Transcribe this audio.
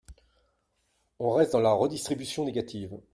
On reste dans la redistribution négative.